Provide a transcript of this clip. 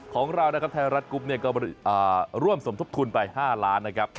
ของเรานะครับไทยรัฐกรุ๊ปก็ร่วมสมทบทุนไป๕ล้านนะครับ